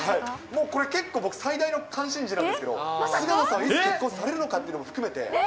もうこれ、結構、最大の関心事なんですけど、菅野さんがいつ結婚されるのかも含めて。